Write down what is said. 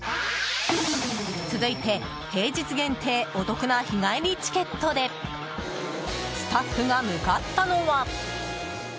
続いて平日限定お得な日帰りチケットでスタッフが向かったのは。